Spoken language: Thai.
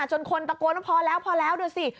จนคนตะโกนว่าพอแล้วดูสิ